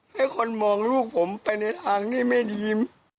ให้คนมองลูกผมไปในทางที่ไม่ดี